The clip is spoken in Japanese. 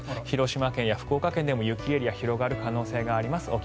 広島県や福岡県でも雪エリアが広がる可能性があります。